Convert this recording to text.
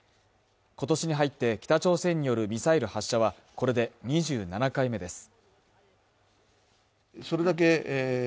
今年に入って北朝鮮によるミサイル発射はこれで２７回目です